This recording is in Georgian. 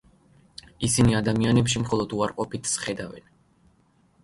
ისინი ადამიანებში მხოლოდ უარყოფითს ხედავენ.